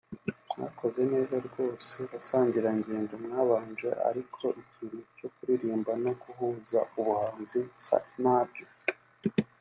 mwakoze neza rwose basangirangendo mwabanje ariko ikintu cyo kuririmba no guhuza ubuhanzi nsa nabyo